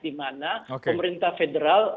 dimana pemerintah federal